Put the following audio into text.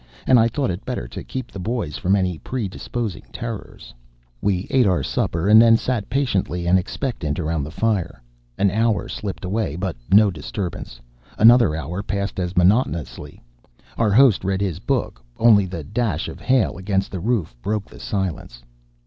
And I thought it better to keep the boys from any predisposing terrors. "We ate our supper, and then sat, patiently and expectant, around the fire. An hour slipped away, but no disturbance; another hour passed as monotonously. Our host read his book; only the dash of hail against the roof broke the silence.